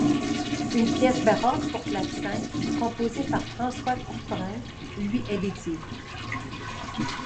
Une pièce baroque pour clavecin, composée par François Couperin, lui est dédiée.